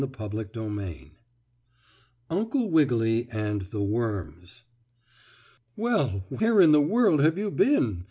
STORY XXVI UNCLE WIGGILY AND THE WORMS "Well, where in the world have you been?"